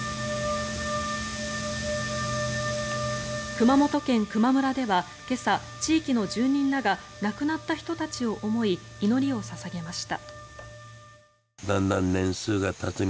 熊本県球磨村では今朝地域の住民らが亡くなった人たちを思い祈りを捧げました。